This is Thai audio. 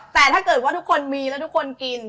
แต่ถ้าเกิดว่าทุกคนมีแล้วทุกคนกิน